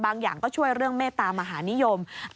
อย่างก็ช่วยเรื่องเมตตามหานิยม